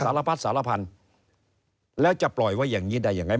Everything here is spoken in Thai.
สารพัดสารพันธุ์แล้วจะปล่อยไว้อย่างนี้ได้ยังไง